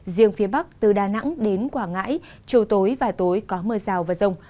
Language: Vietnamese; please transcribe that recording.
riêng phía bắc từ đà nẵng đến quảng ngãi trưa tối vài tối có mưa rào và rông